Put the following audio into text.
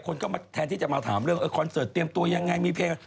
คนก็มาแทนที่จะมาถามเรื่องคอนเสิร์ตเตรียมตัวยังไงมีเพลง